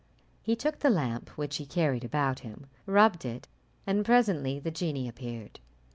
He took the lamp, which he carried about him, rubbed it, and presently the genie appeared.